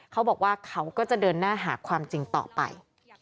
เขาบอกว่าเขาก็จะเดินหน้าหาความจริงต่อไป